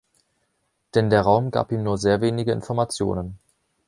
Denn der Raum gab ihm nur sehr wenige Informationen.